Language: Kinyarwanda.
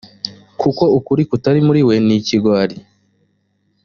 kuko ukuri kutari muri we nikigwari